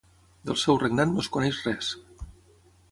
Del seu regnat no es coneix res.